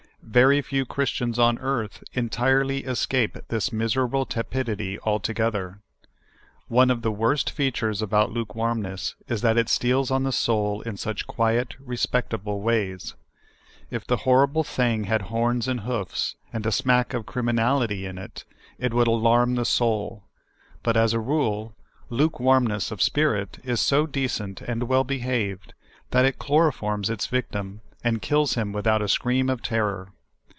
Very few Christians on earth entirely escape this miserable tepidit}^ altogether. One of the worst features about lukewarmness is that it steals on the soul in such quiet, respectable ways. If the hor rible thing had horns and hoofs, and a smack of crim inality in it, it would alarm the soul ; but, as a rule, lukewarmness of spirit is so decent and well behaved, that it chloroforms its victim and kills him without a scream of terror.